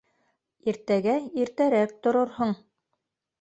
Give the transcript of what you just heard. Иртәгә иртәрәк торорһоң.